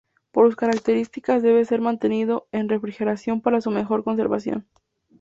Por sus características debe ser mantenido en refrigeración para su mejor conservación.